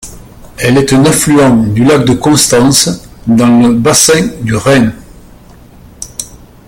Elle est un affluent du lac de Constance dans le bassin du Rhin.